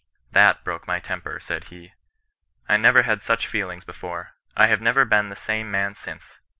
* That broke my temper,' said he. * I never had such feelings before. I have never been the same man since.